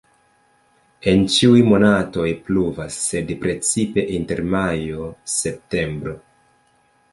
En ĉiuj monatoj pluvas, sed precipe inter majo-septembro.